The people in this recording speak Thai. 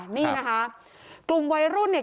นี่นะคะกลุ่มวัยรุ่นเนี่ย